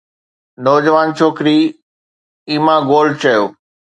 نوجوان ڇوڪري Emma Gold چيو